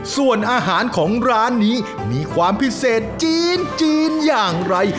ส่วนอาหารของร้านนี้มีความพิเศษจีนอย่างไร